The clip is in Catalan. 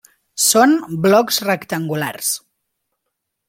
Són blocs rectangulars.